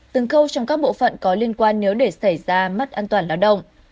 từng khâu trong các bộ phận có liên quan nếu để xảy ra mất an toàn lao động